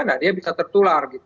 nah dia bisa tertular